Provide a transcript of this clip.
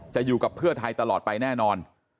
อยู่กับเพื่อไทยตลอดไปแน่นอน